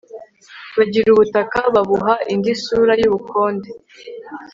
bagira ubutaka, babuha indi sura y'ubukonde